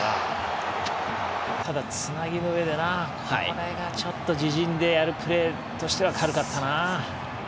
つなぎのうえで、これが自陣でやるプレーとしては軽かったな。